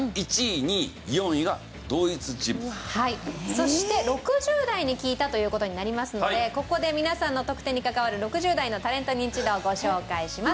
そして６０代に聞いたという事になりますのでここで皆さんの得点に関わる６０代のタレントニンチドをご紹介します。